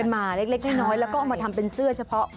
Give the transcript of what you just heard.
มาเล็กน้อยแล้วก็เอามาทำเป็นเสื้อเฉพาะ